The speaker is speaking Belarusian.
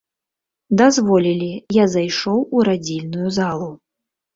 Дазволілі, я зайшоў у радзільную залу.